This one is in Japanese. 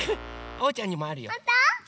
おうちゃんにもあるよ。